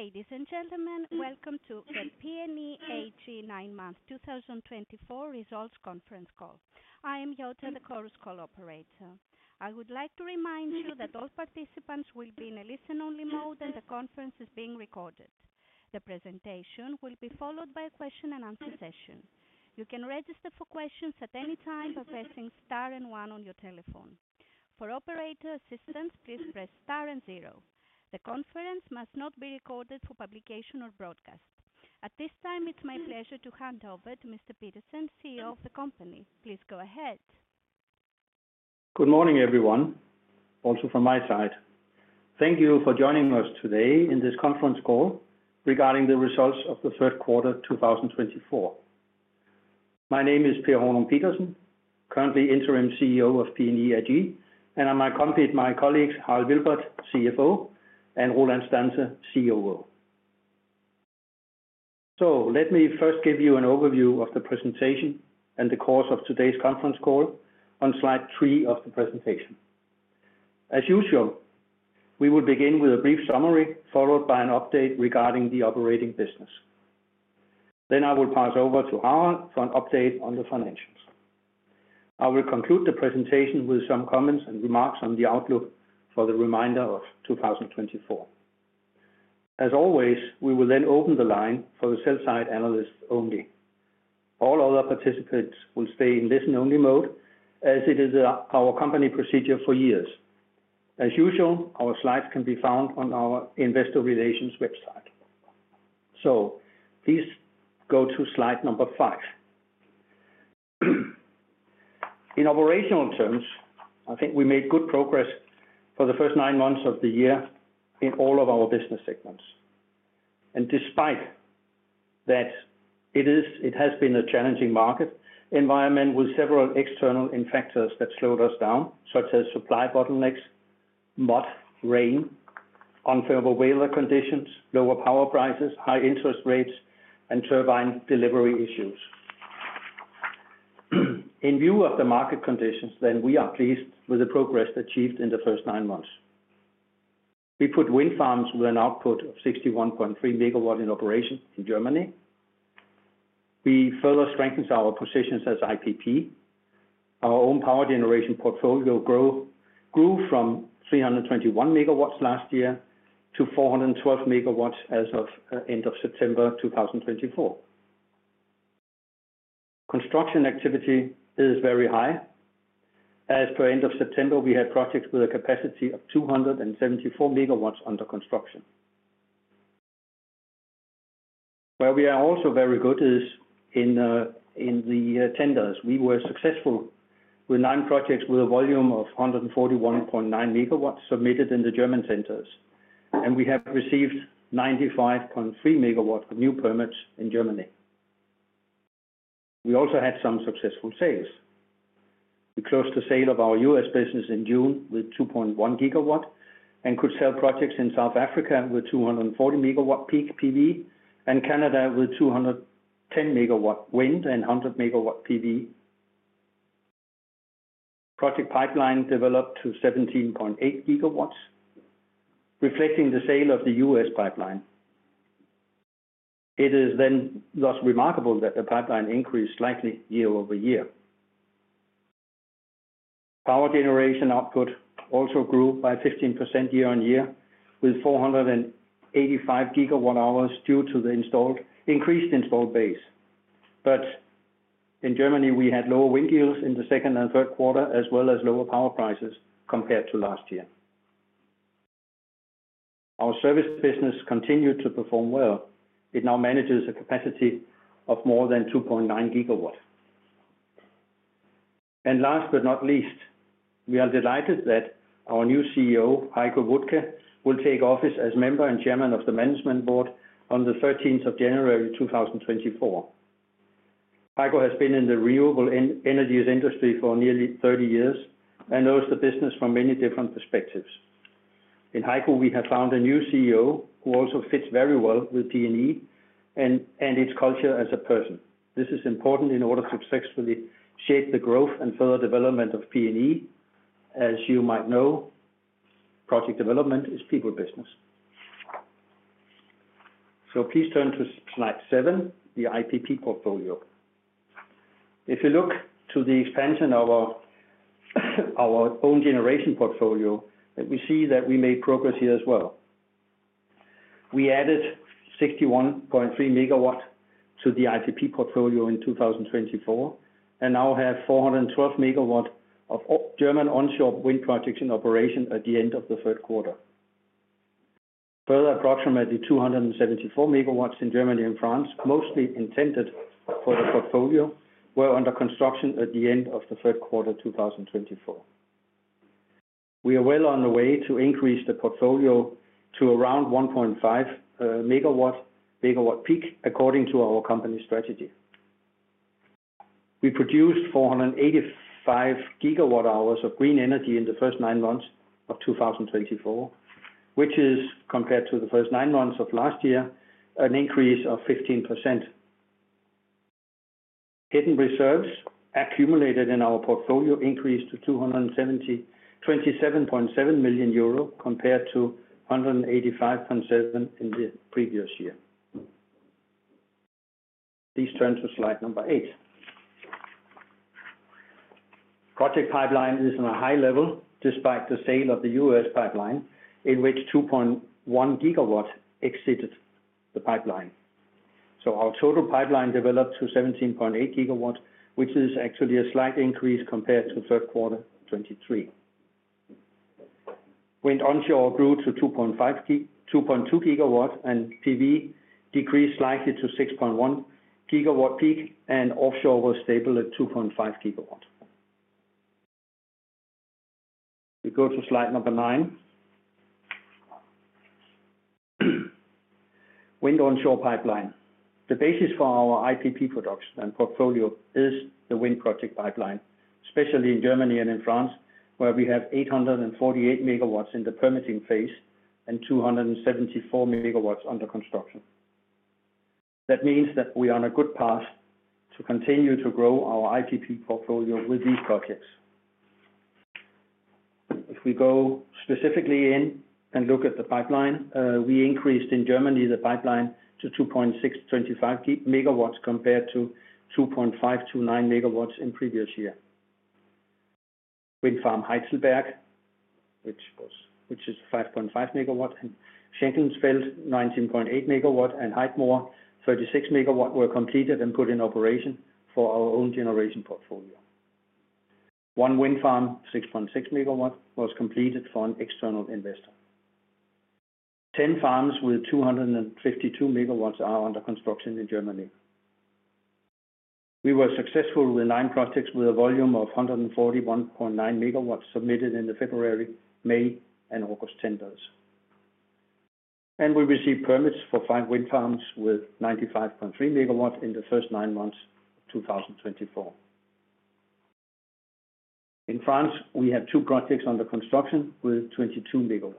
Ladies and gentlemen, welcome to the PNE AG Nine-Month 2024 Results Conference Call. I am Jörg, the Chorus Call operator. I would like to remind you that all participants will be in a listen-only mode and the conference is being recorded. The presentation will be followed by a question-and-answer session. You can register for questions at any time by pressing Star and 1 on your telephone. For operator assistance, please press Star and 0. The conference must not be recorded for publication or broadcast. At this time, it's my pleasure to hand over to Mr. Pedersen, CEO of the company. Please go ahead. Good morning, everyone, also from my side. Thank you for joining us today in this conference call regarding the results of the Q3 2024. My name is Per Hornung Pedersen, currently interim CEO of PNE AG, and I'm accompanied by my colleagues, Harald Wilbert, CFO, and Roland Stanze, COO. So let me first give you an overview of the presentation and the course of today's conference call on slide 3 of the presentation. As usual, we will begin with a brief summary followed by an update regarding the operating business. Then I will pass over to Harald for an update on the financials. I will conclude the presentation with some comments and remarks on the outlook for the remainder of 2024. As always, we will then open the line for the sell-side analysts only. All other participants will stay in listen-only mode as it is our company procedure for years. As usual, our slides can be found on our investor relations website. So please go to slide number five. In operational terms, I think we made good progress for the first nine months of the year in all of our business segments. And despite that, it has been a challenging market environment with several external factors that slowed us down, such as supply bottlenecks, mud, rain, unfavorable weather conditions, lower power prices, high interest rates, and turbine delivery issues. In view of the market conditions, then we are pleased with the progress achieved in the first nine months. We put wind farms with an output of 61.3 MW in operation in Germany. We further strengthened our positions as IPP. Our own power generation portfolio grew from 321 MW last year to 412 MW as of end of September 2024. Construction activity is very high. As per end of September, we had projects with a capacity of 274 MW under construction. Where we are also very good is in the tenders. We were successful with nine projects with a volume of 141.9 MW submitted in the German tenders, and we have received 95.3 MW of new permits in Germany. We also had some successful sales. We closed the sale of our US business in June with 2.1 GW and could sell projects in South Africa with 240 MW peak PV and Canada with 210 MW wind and 100 MW PV. Project pipeline developed to 17.8 GW, reflecting the sale of the US pipeline. It is then thus remarkable that the pipeline increased slightly year-over-year. Power generation output also grew by 15% year-on-year with 485 gigawatt hours due to the increased installed base. But in Germany, we had lower wind yields in the Q2 and Q3, as well as lower power prices compared to last year. Our service business continued to perform well. It now manages a capacity of more than 2.9 GW. And last but not least, we are delighted that our new CEO, Heiko Wuttke, will take office as member and chairman of the management board on the 13th of January 2024. Heiko has been in the renewable energies industry for nearly 30 years and knows the business from many different perspectives. In Heiko, we have found a new CEO who also fits very well with PNE and its culture as a person. This is important in order to successfully shape the growth and further development of PNE. As you might know, project development is people business. So please turn to slide 7, the IPP portfolio. If you look to the expansion of our own generation portfolio, we see that we made progress here as well. We added 61.3 MW to the IPP portfolio in 2024 and now have 412 MW of German onshore wind projects in operation at the end of the Q3. Further, approximately 274 MW in Germany and France, mostly intended for the portfolio, were under construction at the end of the Q3 2024. We are well on the way to increase the portfolio to around 1.5 MW peak, according to our company strategy. We produced 485 GW hours of green energy in the first nine months of 2024, which is, compared to the first nine months of last year, an increase of 15%. Hidden reserves accumulated in our portfolio increased to 277.7 million euro, compared to 185.7 million in the previous year. Please turn to slide number 8. Project pipeline is on a high level despite the sale of the U.S. pipeline, in which 2.1 GW exceeded the pipeline, so our total pipeline developed to 17.8 GW, which is actually a slight increase compared to Q3 2023. Wind onshore grew to 2.2 GW, and PV decreased slightly to 6.1 GW peak, and offshore was stable at 2.5 GW. We go to slide number 9. Wind onshore pipeline. The basis for our IPP production and portfolio is the wind project pipeline, especially in Germany and in France, where we have 848 MW in the permitting phase and 274 MW under construction. That means that we are on a good path to continue to grow our IPP portfolio with these projects. If we go specifically in and look at the pipeline, we increased in Germany the pipeline to 2.625 MW compared to 2.529 MW in previous year. Wind farm Heidelberg, which is 5.5 MW, and Schenklengsfeld, 19.8 MW, and Heidmoor, 36 MW, were completed and put in operation for our own generation portfolio. One wind farm, 6.6 MW, was completed for an external investor. 10 farms with 252 MW are under construction in Germany. We were successful with nine projects with a volume of 141.9 MW submitted in the February, May, and August tenders. We received permits for five wind farms with 95.3 MW in the first nine months of 2024. In France, we have two projects under construction with 22 MW.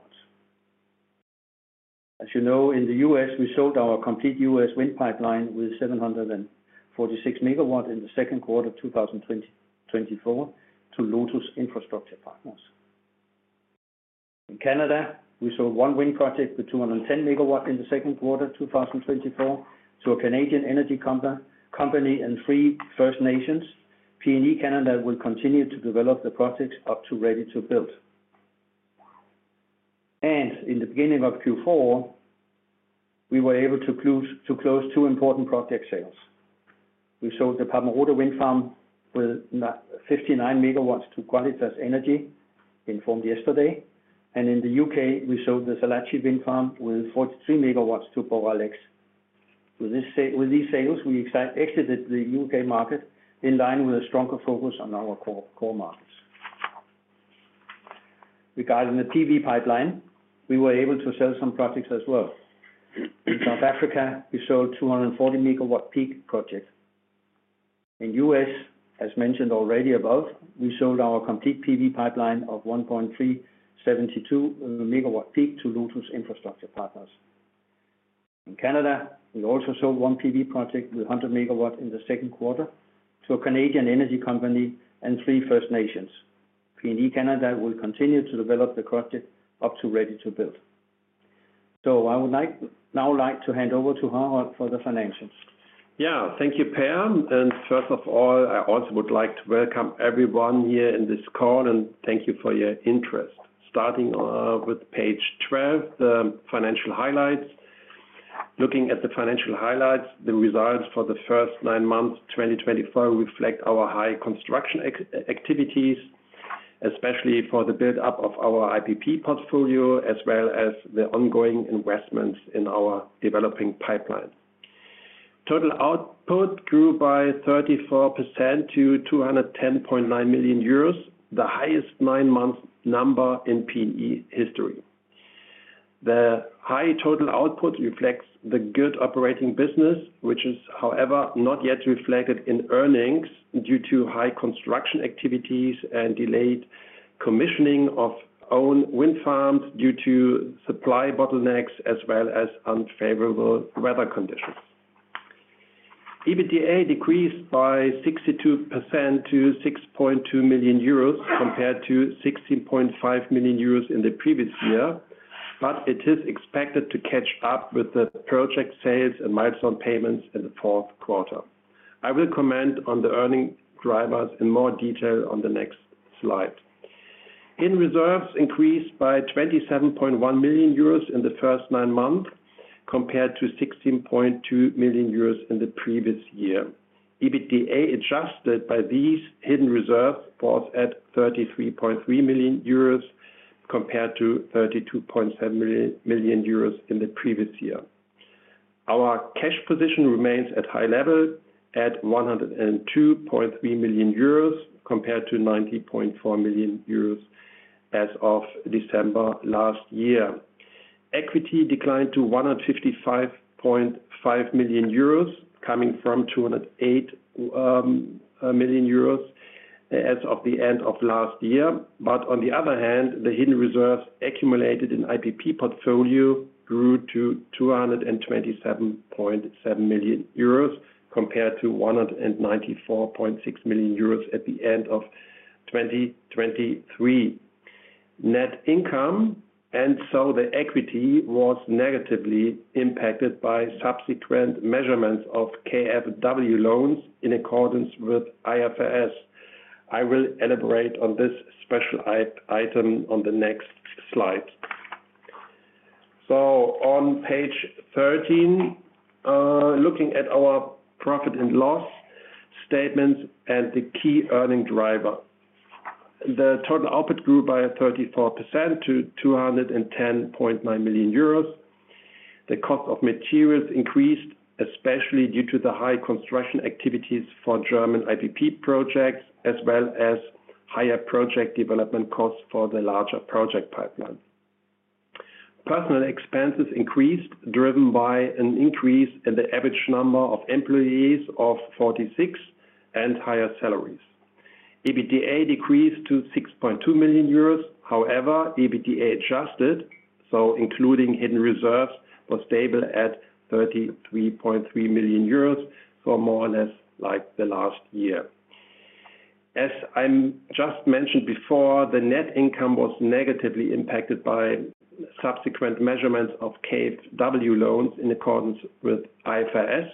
As you know, in the U.S., we sold our complete U.S. wind pipeline with 746 MW in the Q2 2024 to Lotus Infrastructure Partners. In Canada, we sold one wind project with 210 MW in the Q2 2024 to a Canadian energy company and three First Nations. PNE Canada will continue to develop the projects up to ready to build, and in the beginning of Q4, we were able to close two important project sales. We sold the Papenrode wind farm with 59 MW to Qualitas Energy, informed yesterday, and in the U.K., we sold the Sallachy wind farm with 43 MW to Boralex. With these sales, we exited the U.K. market in line with a stronger focus on our core markets. Regarding the PV pipeline, we were able to sell some projects as well. In South Africa, we sold 240 MW peak projects. In U.S., as mentioned already above, we sold our complete PV pipeline of 1.372 MW peak to Lotus Infrastructure Partners. In Canada, we also sold one PV project with 100 MW in the Q2 to a Canadian energy company and three First Nations. PNE Canada will continue to develop the project up to ready to build, so I would now like to hand over to Harald for the financials. Yeah, thank you, Per. And first of all, I also would like to welcome everyone here in this call, and thank you for your interest. Starting with page 12, the financial highlights. Looking at the financial highlights, the results for the first nine months 2024 reflect our high construction activities, especially for the build-up of our IPP portfolio, as well as the ongoing investments in our developing pipeline. Total output grew by 34% to 210.9 million euros, the highest nine-month number in PNE history. The high total output reflects the good operating business, which is, however, not yet reflected in earnings due to high construction activities and delayed commissioning of own wind farms due to supply bottlenecks, as well as unfavorable weather conditions. EBITDA decreased by 62% to 6.2 million euros, compared to 16.5 million euros in the previous year, but it is expected to catch up with the project sales and milestone payments in the Q4. I will comment on the earning drivers in more detail on the next slide. Hidden reserves increased by 27.1 million euros in the first nine months, compared to 16.2 million euros in the previous year. EBITDA adjusted by these hidden reserves was at 33.3 million euros, compared to 32.7 million euros in the previous year. Our cash position remains at high level at 102.3 million euros, compared to 90.4 million euros as of December last year. Equity declined to 155.5 million euros, coming from 208 million euros as of the end of last year. But on the other hand, the hidden reserves accumulated in IPP portfolio grew to 227.7 million euros, compared to 194.6 million euros at the end of 2023. Net income, and so the equity, was negatively impacted by subsequent measurements of KfW loans in accordance with IFRS. I will elaborate on this special item on the next slide. So on page 13, looking at our profit and loss statements and the key earnings driver, the total output grew by 34% to 210.9 million euros. The cost of materials increased, especially due to the high construction activities for German IPP projects, as well as higher project development costs for the larger project pipeline. Personnel expenses increased, driven by an increase in the average number of employees of 46 and higher salaries. EBITDA decreased to 6.2 million euros. However, EBITDA adjusted, so including hidden reserves was stable at 33.3 million euros, so more or less like the last year. As I just mentioned before, the net income was negatively impacted by subsequent measurements of KfW loans in accordance with IFRS.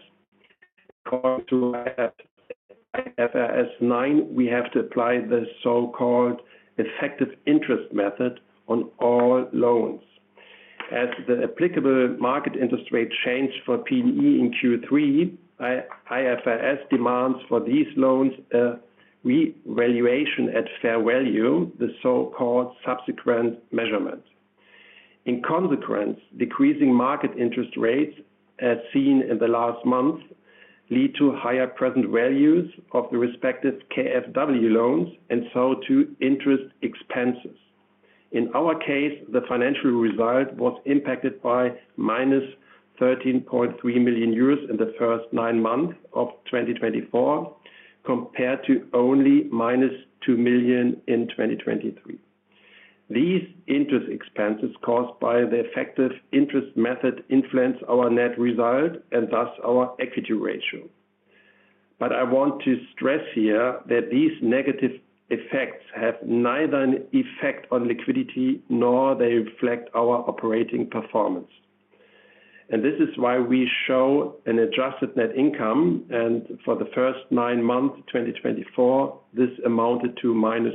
According to IFRS 9, we have to apply the so-called effective interest method on all loans. As the applicable market interest rate changed for PNE in Q3, IFRS demands for these loans a revaluation at fair value, the so-called subsequent measurement. In consequence, decreasing market interest rates, as seen in the last month, lead to higher present values of the respective KfW loans and so to interest expenses. In our case, the financial result was impacted by minus 13.3 million euros in the first nine months of 2024, compared to only minus 2 million EUR in 2023. These interest expenses caused by the effective interest method influence our net result and thus our equity ratio. But I want to stress here that these negative effects have neither an effect on liquidity nor they reflect our operating performance. And this is why we show an adjusted net income, and for the first nine months 2024, this amounted to minus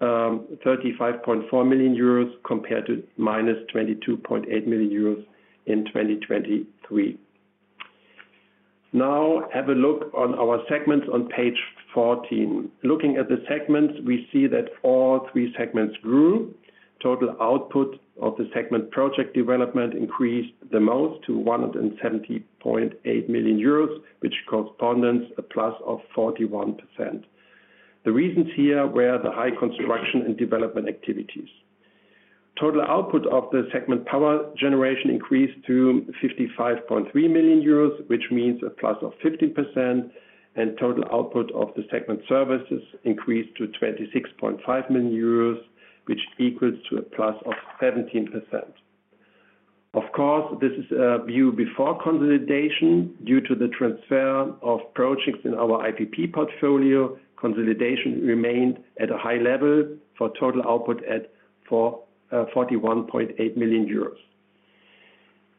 35.4 million euros compared to minus 22.8 million euros in 2023. Now, have a look on our segments on page 14. Looking at the segments, we see that all three segments grew. Total output of the segment project development increased the most to 170.8 million euros, which corresponds to a plus of 41%. The reasons here were the high construction and development activities. Total output of the segment power generation increased to 55.3 million euros, which means a plus of 15%, and total output of the segment services increased to 26.5 million euros, which equals to a plus of 17%. Of course, this is a view before consolidation. Due to the transfer of projects in our IPP portfolio, consolidation remained at a high level for total output at 41.8 million euros.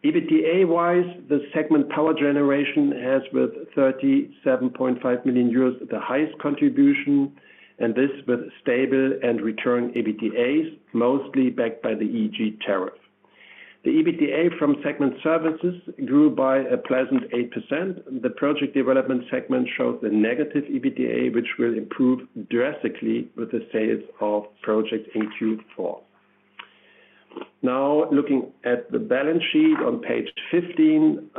EBITDA-wise, the segment power generation has with 37.5 million euros the highest contribution, and this with stable and recurring EBITDAs, mostly backed by the EEG tariff. The EBITDA from segment services grew by a pleasant 8%. The project development segment shows a negative EBITDA, which will improve drastically with the sales of projects in Q4. Now, looking at the balance sheet on page 15,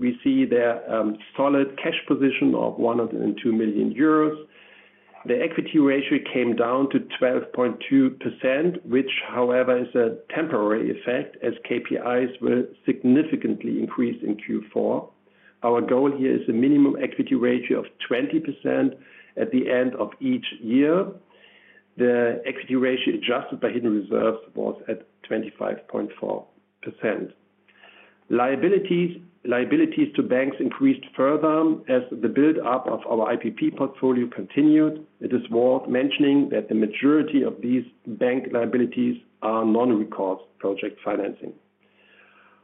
we see the solid cash position of 102 million euros. The equity ratio came down to 12.2%, which, however, is a temporary effect, as KPIs will significantly increase in Q4. Our goal here is a minimum equity ratio of 20% at the end of each year. The equity ratio adjusted by hidden reserves was at 25.4%. Liabilities to banks increased further as the build-up of our IPP portfolio continued. It is worth mentioning that the majority of these bank liabilities are non-recourse project financing.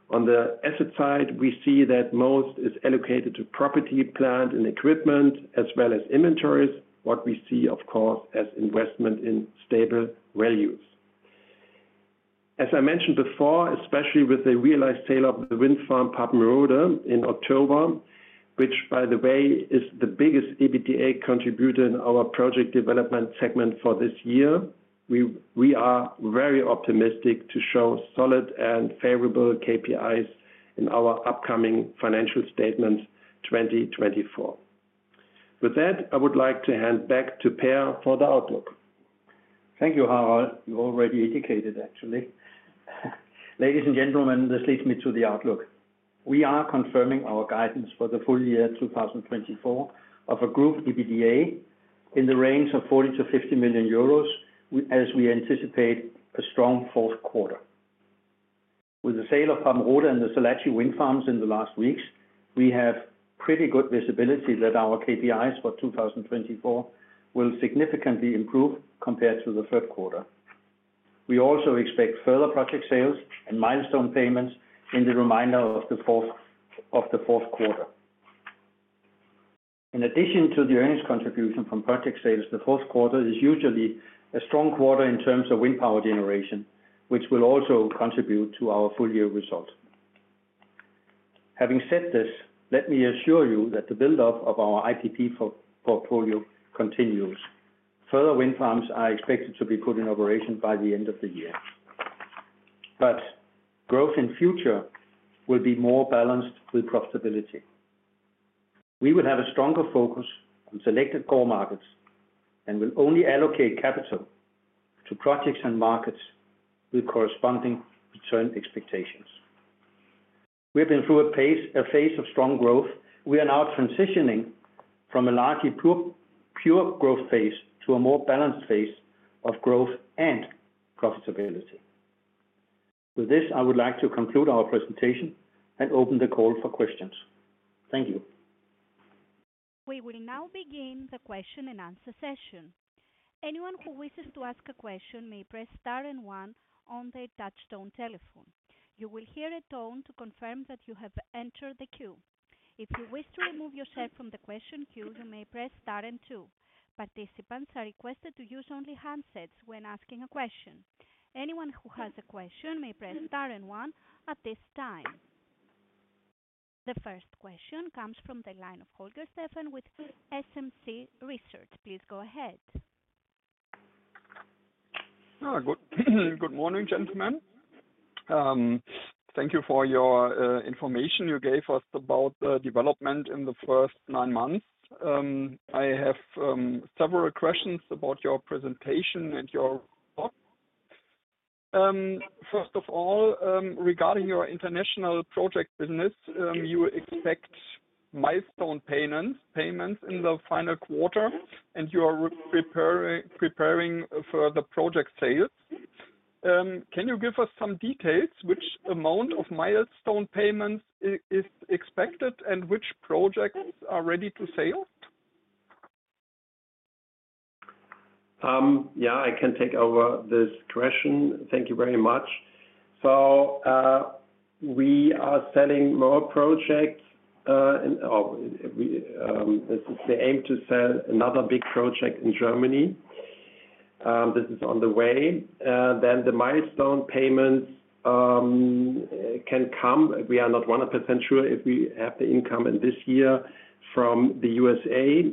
On the asset side, we see that most is allocated to property, plant, and equipment, as well as inventories, what we see, of course, as investment in stable values. As I mentioned before, especially with the realized sale of the wind farm Papenrode in October, which, by the way, is the biggest EBITDA contributor in our project development segment for this year, we are very optimistic to show solid and favorable KPIs in our upcoming financial statements 2024. With that, I would like to hand back to Per for the outlook. Thank you, Harald. You already indicated, actually. Ladies and gentlemen, this leads me to the outlook. We are confirming our guidance for the full year 2024 of a group EBITDA in the range of 40-50 million euros, as we anticipate a strong Q4. With the sale of Papenrode and the Sallachy wind farms in the last weeks, we have pretty good visibility that our KPIs for 2024 will significantly improve compared to the third quarter. We also expect further project sales and milestone payments in the remainder of the Q4. In addition to the earnings contribution from project sales, the Q4 is usually a strong quarter in terms of wind power generation, which will also contribute to our full year result. Having said this, let me assure you that the build-up of our IPP portfolio continues. Further wind farms are expected to be put in operation by the end of the year. But growth in future will be more balanced with profitability. We will have a stronger focus on selected core markets and will only allocate capital to projects and markets with corresponding return expectations. We have been through a phase of strong growth. We are now transitioning from a largely pure growth phase to a more balanced phase of growth and profitability. With this, I would like to conclude our presentation and open the call for questions. Thank you. We will now begin the question and answer session. Anyone who wishes to ask a question may press Star and One on their touch-tone telephone. You will hear a tone to confirm that you have entered the queue. If you wish to remove yourself from the question queue, you may press Star and Two. Participants are requested to use only handsets when asking a question. Anyone who has a question may press Star and One at this time. The first question comes from the line of Holger Steffen with SMC Research. Please go ahead. Good morning, gentlemen. Thank you for your information you gave us about the development in the first nine months. I have several questions about your presentation and your work. First of all, regarding your international project business, you expect milestone payments in the final quarter, and you are preparing for the project sales. Can you give us some details? Which amount of milestone payments is expected, and which projects are ready to sell? Yeah, I can take over this question. Thank you very much. So we are selling more projects. The aim is to sell another big project in Germany. This is on the way. Then the milestone payments can come. We are not 100% sure if we have the income in this year from the USA.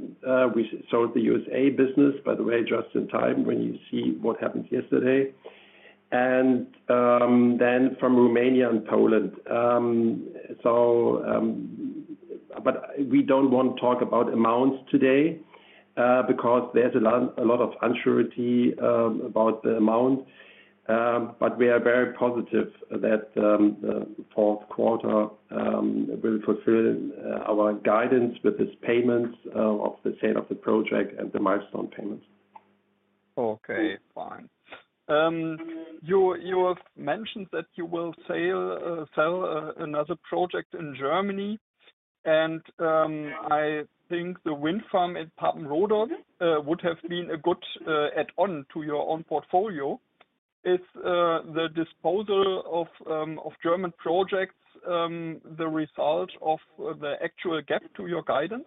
We sold the USA business, by the way, just in time when you see what happened yesterday. And then from Romania and Poland. But we don't want to talk about amounts today because there's a lot of uncertainty about the amount. But we are very positive that the fourth quarter will fulfill our guidance with these payments of the sale of the project and the milestone payments. Okay, fine. You have mentioned that you will sell another project in Germany. And I think the wind farm in Papenrode would have been a good add-on to your own portfolio. Is the disposal of German projects the result of the actual gap to your guidance?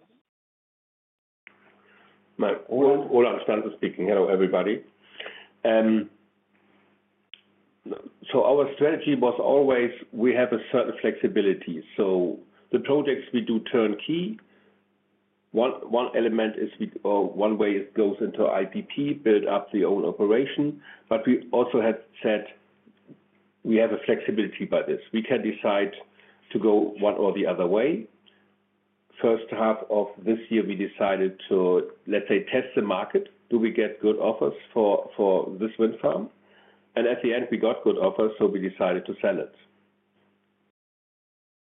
Roland Stanze speaking. Hello, everybody. Our strategy was always we have a certain flexibility. The projects we do turnkey. One element is one way it goes into IPP, build up the own operation. But we also have said we have a flexibility by this. We can decide to go one or the other way. First half of this year, we decided to, let's say, test the market. Do we get good offers for this wind farm? And at the end, we got good offers, so we decided to sell it.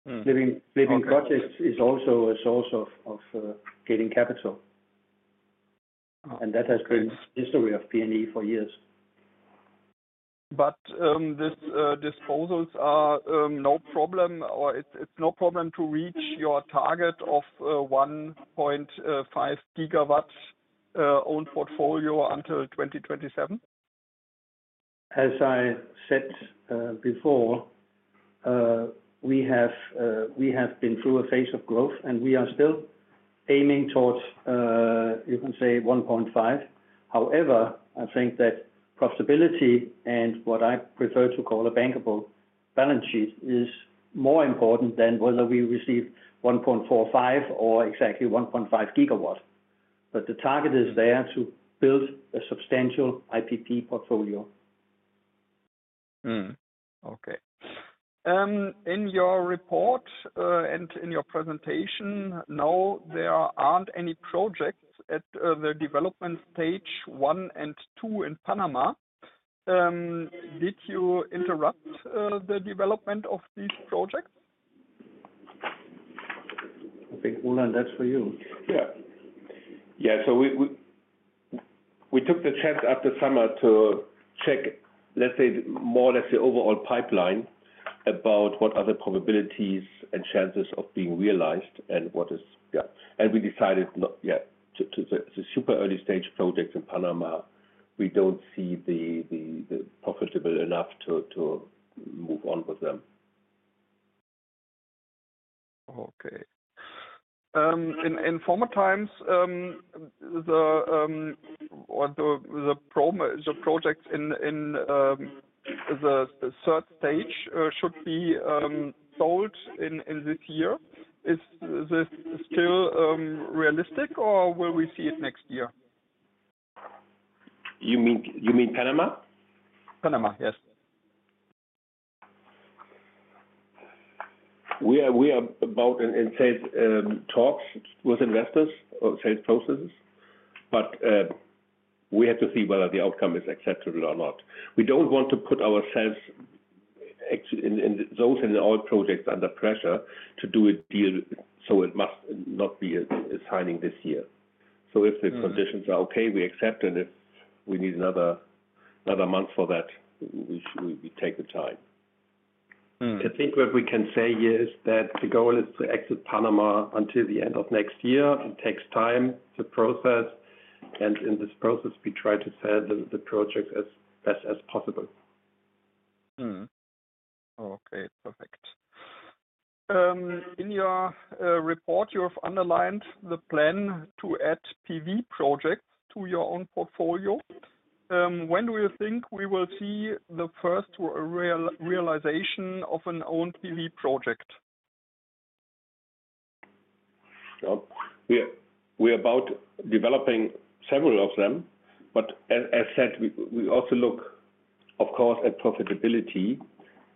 Selling projects is also a source of getting capital. That has been the history of PNE for years. But these disposals are no problem. It's no problem to reach your target of 1.5 GW owned portfolio until 2027? As I said before, we have been through a phase of growth, and we are still aiming towards, you can say, 1.5. However, I think that profitability and what I prefer to call a bankable balance sheet is more important than whether we receive 1.45 or exactly 1.5 gigawatt. But the target is there to build a substantial IPP portfolio. Okay. In your report and in your presentation, no, there aren't any projects at the development stage one and two in Panama. Did you interrupt the development of these projects? I think, Roland, and that's for you. So we took the chance after summer to check, let's say, more or less the overall pipeline about what are the probabilities and chances of being realized and what is. And we decided to the super early stage projects in Panama, we don't see the profitability enough to move on with them. Okay. In former times, the projects in the third stage should be sold in this year. Is this still realistic, or will we see it next year? You mean Panama? Panama, yes. We are about in sales talks with investors or sales processes. But we have to see whether the outcome is acceptable or not. We don't want to put ourselves, those in our projects, under pressure to do a deal so it must not be signing this year. So if the conditions are okay, we accept. And if we need another month for that, we take the time. I think what we can say here is that the goal is to exit Panama until the end of next year. It takes time to process, and in this process, we try to sell the projects as best as possible. Okay, perfect. In your report, you have underlined the plan to add PV projects to your own portfolio. When do you think we will see the first realization of an owned PV project? We are about developing several of them. But as I said, we also look, of course, at profitability.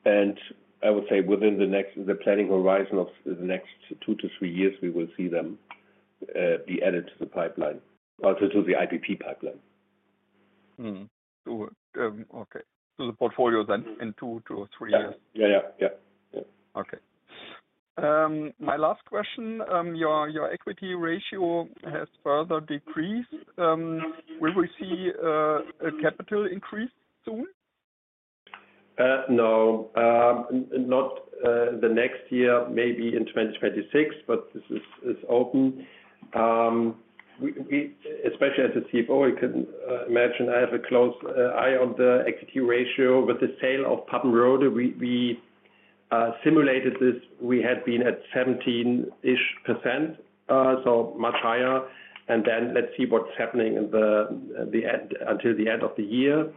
And I would say within the planning horizon of the next two to three years, we will see them be added to the pipeline, also to the IPP pipeline. Okay, so the portfolio is in two to three years? Yeah, yeah, yeah. Yeah. Okay. My last question. Your equity ratio has further decreased. Will we see a capital increase soon? No. Not the next year, maybe in 2026, but this is open. Especially as a CFO, you can imagine I have a close eye on the equity ratio. With the sale of Papenrode, we simulated this. We had been at 17-ish%, so much higher. And then let's see what's happening until the end of the year.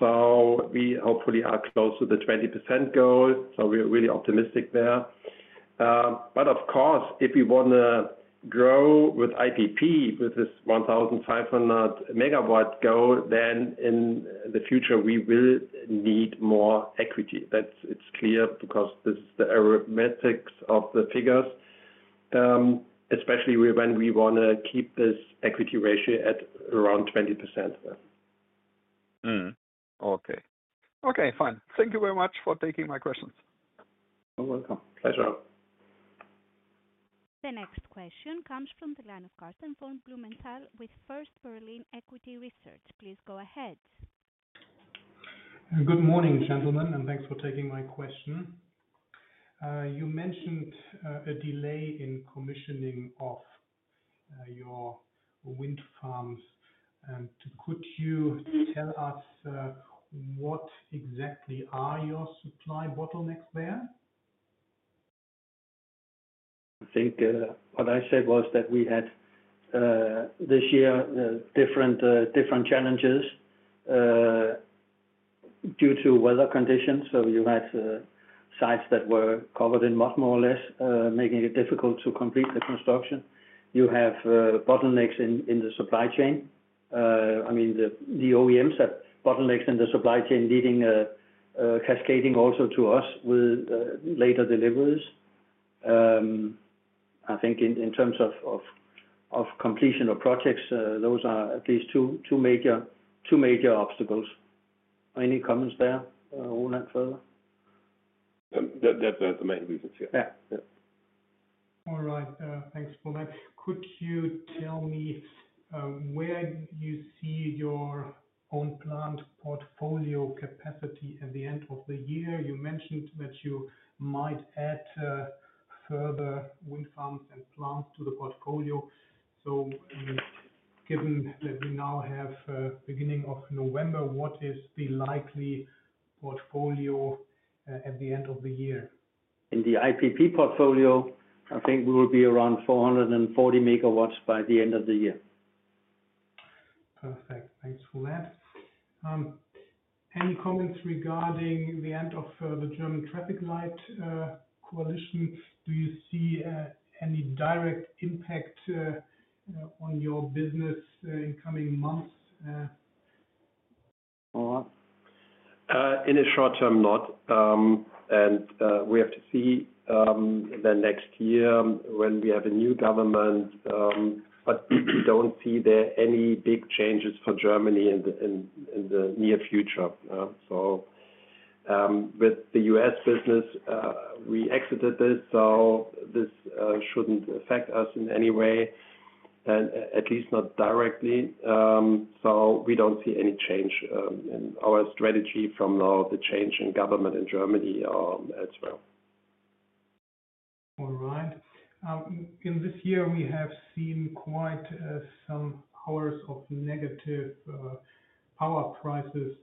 So we hopefully are close to the 20% goal. So we are really optimistic there. But of course, if we want to grow with IPP, with this 1,500 megawatt goal, then in the future, we will need more equity. It's clear because this is the arithmetic of the figures, especially when we want to keep this equity ratio at around 20%. Okay. Okay, fine. Thank you very much for taking my questions. You're welcome. Pleasure. The next question comes from the line of Karsten von Blumenthal with First Berlin Equity Research. Please go ahead. Good morning, gentlemen, and thanks for taking my question. You mentioned a delay in commissioning of your wind farms. Could you tell us what exactly are your supply bottlenecks there? I think what I said was that we had this year different challenges due to weather conditions. So you had sites that were covered in mud, more or less, making it difficult to complete the construction. You have bottlenecks in the supply chain. I mean, the OEMs have bottlenecks in the supply chain leading cascading also to us with later deliveries. I think in terms of completion of projects, those are at least two major obstacles. Any comments there, Roland? That's the main reason, yeah. All right. Thanks, Roland. Could you tell me where you see your own plant portfolio capacity at the end of the year? You mentioned that you might add further wind farms and plants to the portfolio. So given that we now have the beginning of November, what is the likely portfolio at the end of the year? In the IPP portfolio, I think we will be around 440 MW by the end of the year. Perfect. Thanks for that. Any comments regarding the end of the German traffic light coalition? Do you see any direct impact on your business in coming months? In the short term, not. And we have to see the next year when we have a new government. But we don't see there any big changes for Germany in the near future. So with the U.S. business, we exited this. So this shouldn't affect us in any way, at least not directly. So we don't see any change in our strategy from now, the change in government in Germany as well. All right. In this year, we have seen quite some hours of negative power prices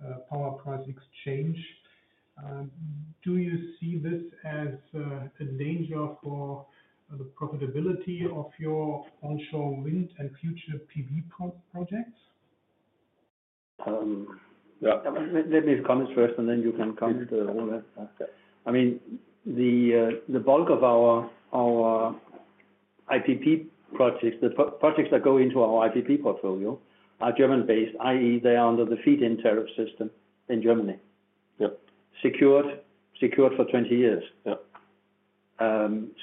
and power price exchange. Do you see this as a danger for the profitability of your onshore wind and future PV projects? Let me comment first, and then you can comment. I mean, the bulk of our IPP projects, the projects that go into our IPP portfolio, are German-based, i.e., they are under the feed-in tariff system in Germany, secured for 20 years.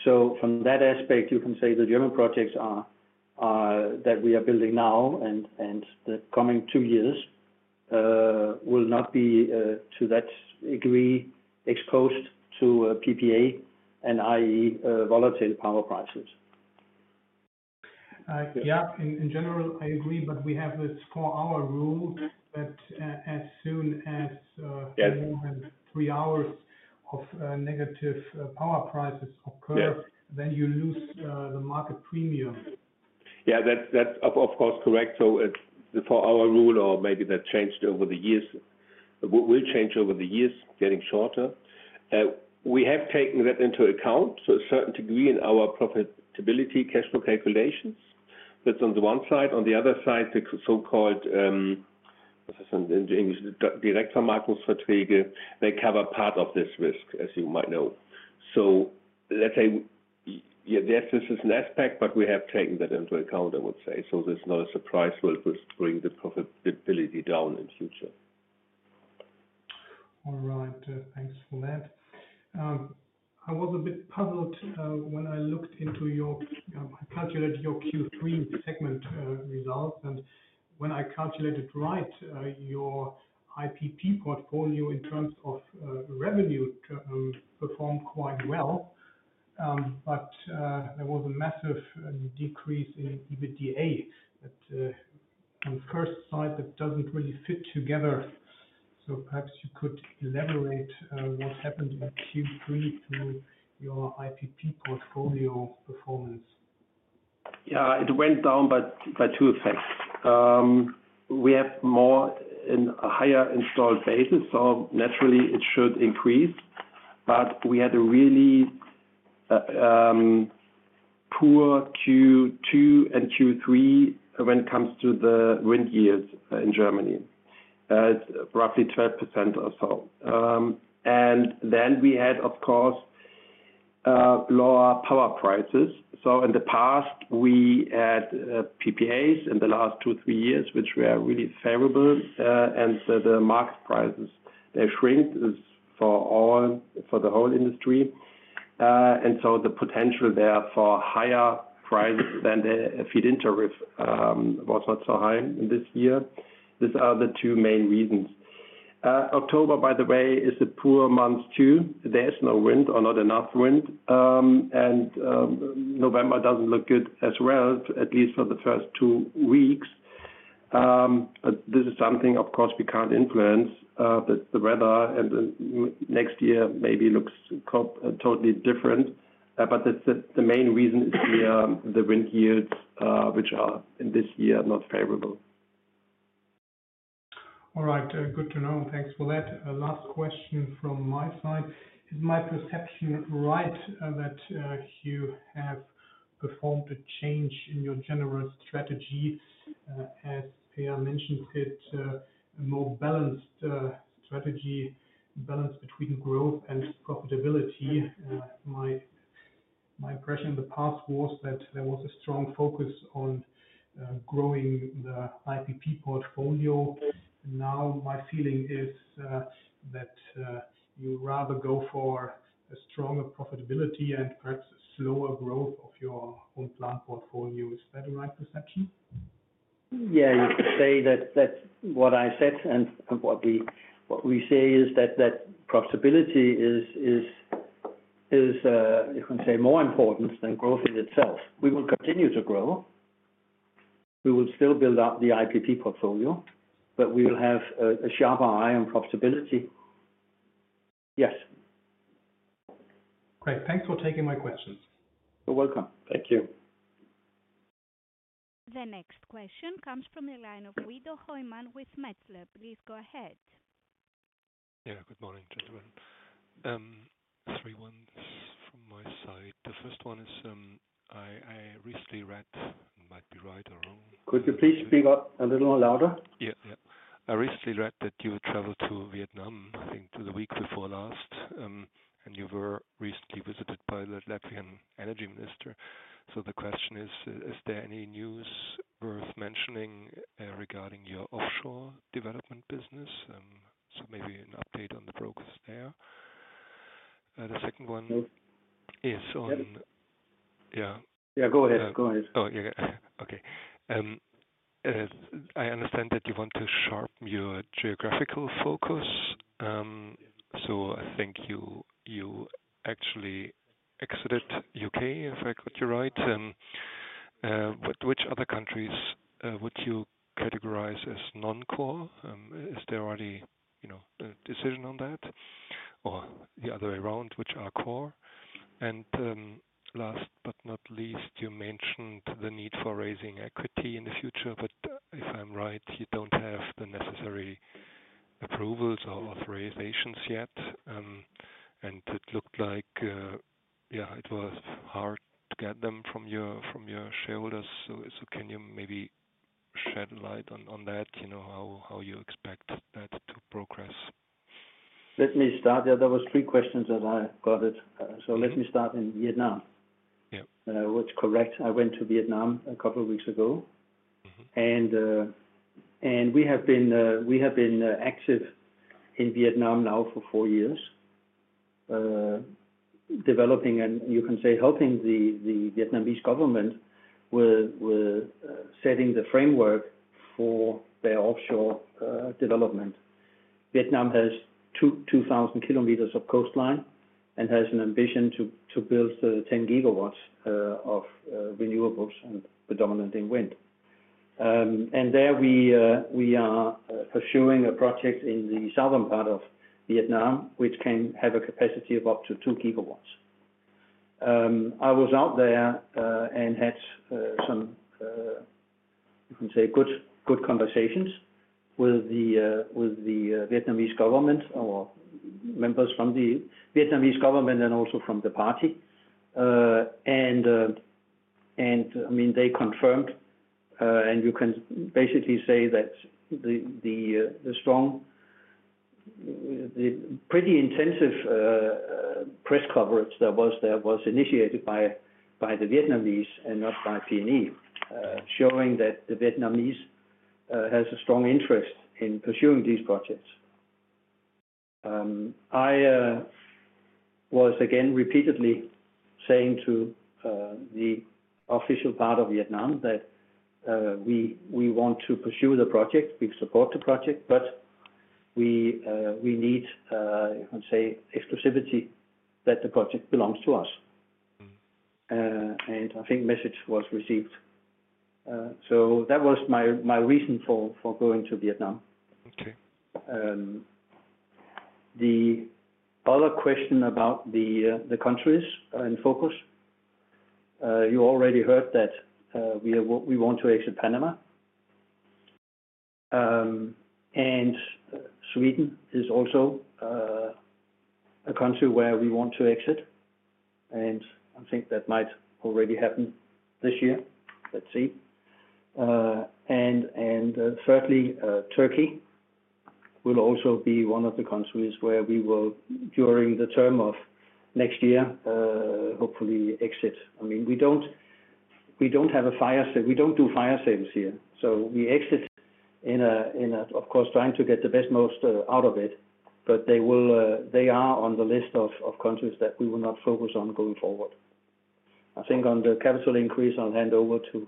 So from that aspect, you can say the German projects that we are building now and the coming two years will not be to that degree exposed to PPA and i.e., volatile power prices. Yeah, in general, I agree. But we have this four-hour rule that as soon as more than three hours of negative power prices occur, then you lose the market premium. Yeah, that's of course correct. So the four-hour rule, or maybe that changed over the years, will change over the years, getting shorter. We have taken that into account to a certain degree in our profitability cash flow calculations. That's on the one side. On the other side, the so-called Direktvermarktungsverträge, they cover part of this risk, as you might know. So let's say, yes, this is an aspect, but we have taken that into account, I would say. So there's no surprise where it will bring the profitability down in the future. All right. Thanks for that. I was a bit puzzled when I looked into your calculated Q3 segment results. When I calculated right, your IPP portfolio in terms of revenue performed quite well. There was a massive decrease in EBITDA on the flip side that doesn't really fit together. Perhaps you could elaborate what happened in Q3 to your IPP portfolio performance? Yeah, it went down by two effects. We have more in a higher installed basis, so naturally, it should increase, but we had a really poor Q2 and Q3 when it comes to the wind yields in Germany, roughly 12% or so, and then we had, of course, lower power prices, so in the past, we had PPAs in the last two, three years, which were really favorable, and the market prices, they shrink for the whole industry, and so the potential there for higher prices than the feed-in tariff was not so high this year. These are the two main reasons. October, by the way, is a poor month too. There's no wind or not enough wind, and November doesn't look good as well, at least for the first two weeks, but this is something, of course, we can't influence. The weather next year maybe looks totally different. But the main reason is the wind yields, which are in this year not favorable. All right. Good to know. Thanks for that. Last question from my side. Is my perception right that you have performed a change in your general strategy? As PNE mentioned, it's a more balanced strategy, balanced between growth and profitability. My impression in the past was that there was a strong focus on growing the IPP portfolio. Now, my feeling is that you rather go for a stronger profitability and perhaps slower growth of your own plant portfolio. Is that the right perception? Yeah, you could say that's what I said. And what we say is that profitability is, you can say, more important than growth in itself. We will continue to grow. We will still build up the IPP portfolio, but we will have a sharper eye on profitability. Yes. Great. Thanks for taking my questions. You're welcome. Thank you. The next question comes from the line of Guido Hoymann with Metzler. Please go ahead. Yeah, good morning, gentlemen. Three questions from my side. The first one is I recently read, might be right or wrong. Could you please speak a little louder? Yeah, yeah. I recently read that you had traveled to Vietnam, I think, the week before last, and you were recently visited by the Latvian energy minister. So the question is, is there any news worth mentioning regarding your offshore development business? So maybe an update on the progress there. The second one is on. Yeah. Yeah, go ahead. Go ahead. Oh, okay. I understand that you want to sharpen your geographical focus. So I think you actually exited the U.K., if I got you right. Which other countries would you categorize as non-core? Is there already a decision on that? Or the other way around, which are core? And last but not least, you mentioned the need for raising equity in the future, but if I'm right, you don't have the necessary approvals or authorizations yet. And it looked like, yeah, it was hard to get them from your shareholders. So can you maybe shed light on that, how you expect that to progress? Let me start. There were three questions that I got it. So let me start in Vietnam. Yeah. What's correct. I went to Vietnam a couple of weeks ago. And we have been active in Vietnam now for four years, developing and, you can say, helping the Vietnamese government with setting the framework for their offshore development. Vietnam has 2,000 kilometers of coastline and has an ambition to build 10 GW of renewables, predominantly wind. And there we are pursuing a project in the southern part of Vietnam, which can have a capacity of up to two GW. I was out there and had some, you can say, good conversations with the Vietnamese government or members from the Vietnamese government and also from the party. And I mean, they confirmed, and you can basically say that the pretty intensive press coverage that was initiated by the Vietnamese and not by PNE, showing that the Vietnamese has a strong interest in pursuing these projects. I was again repeatedly saying to the official part of Vietnam that we want to pursue the project. We support the project, but we need, you can say, exclusivity that the project belongs to us, and I think the message was received, so that was my reason for going to Vietnam. Okay. The other question about the countries in focus. You already heard that we want to exit Panama, and Sweden is also a country where we want to exit. I think that might already happen this year. Let's see, and certainly, Turkey will also be one of the countries where we will, during the term of next year, hopefully exit. I mean, we don't have a fire sale; we don't do fire sales here. So we exit in a, of course, trying to get the best most out of it, but they are on the list of countries that we will not focus on going forward. I think on the capital increase, I'll hand over to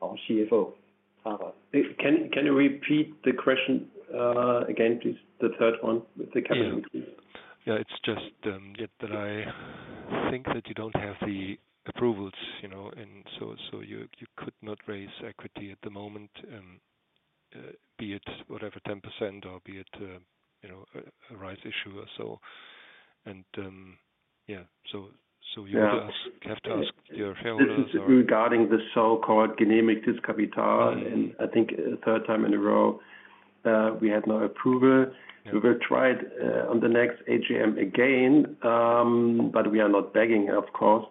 our CFO, Harald. Can you repeat the question again, please? The third one with the capital, please. Yeah, it's just that I think that you don't have the approvals, and so you could not raise equity at the moment, be it whatever, 10% or be it a rights issue or so, and yeah, so you have to ask your shareholders. Regarding the so-called Genehmigtes Kapital, and I think third time in a row, we had no approval. We will try it on the next AGM again, but we are not begging, of course.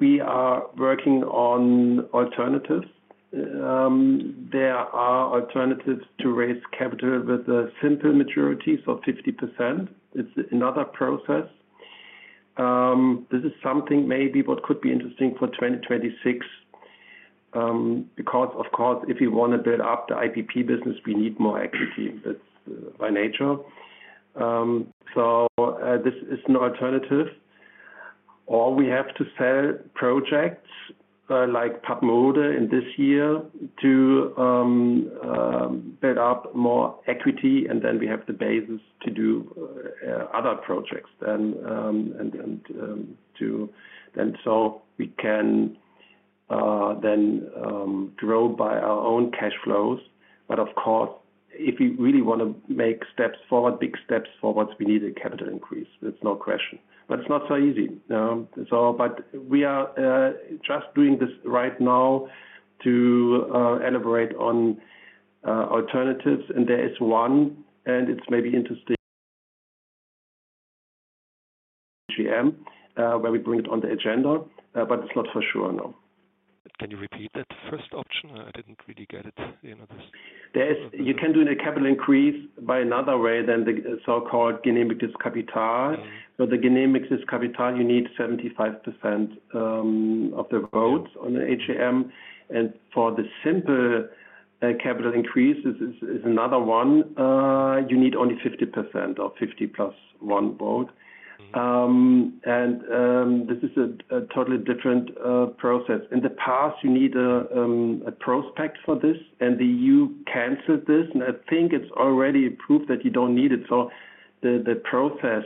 We are working on alternatives. There are alternatives to raise capital with a simple majority of 50%. It's another process. This is something maybe what could be interesting for 2026, because, of course, if you want to build up the IPP business, we need more equity by nature. So this is an alternative. Or we have to sell projects like Papenrode in this year to build up more equity, and then we have the basis to do other projects and so we can then grow by our own cash flows. But of course, if you really want to make big steps forward, we need a capital increase. It's no question. But it's not so easy. But we are just doing this right now to elaborate on alternatives. And there is one, and it's maybe interesting AGM, where we bring it on the agenda, but it's not for sure, no. Can you repeat that first option? I didn't really get it. You can do the capital increase by another way than the so-called Genehmigtes Kapital. For the Genehmigtes Kapital, you need 75% of the votes on the AGM, and for the simple capital increase, this is another one. You need only 50% or 50 plus one vote, and this is a totally different process. In the past, you need a prospectus for this, and the EU canceled this, and I think it's already proved that you don't need it, so the process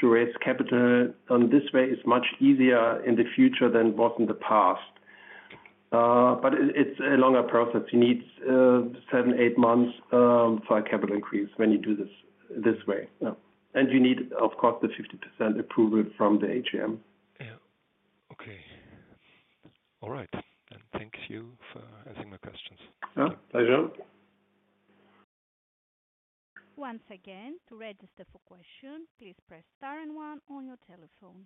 to raise capital in this way is much easier in the future than it was in the past, but it's a longer process. You need seven, eight months for a capital increase when you do this way, and you need, of course, the 50% approval from the AGM. Yeah. Okay. All right. Thank you for answering my questions. Pleasure. Once again, to register for questions, please press star and one on your telephone.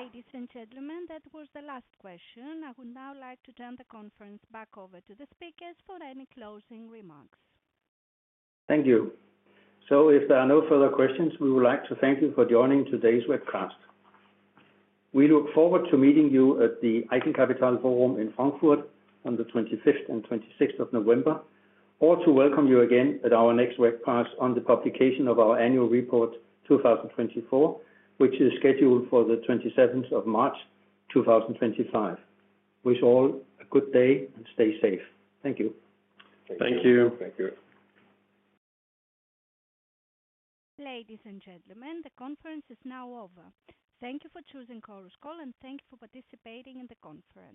Ladies and gentlemen, that was the last question. I would now like to turn the conference back over to the speakers for any closing remarks. Thank you. So if there are no further questions, we would like to thank you for joining today's webcast. We look forward to meeting you at the IP Capital Forum in Frankfurt on the 25th and 26th of November, or to welcome you again at our next webcast on the publication of our annual report 2024, which is scheduled for the 27th of March 2025. Wish all a good day and stay safe. Thank you. Thank you. Thank you. Ladies and gentlemen, the conference is now over. Thank you for choosing Chorus Call, and thank you for participating in the conference.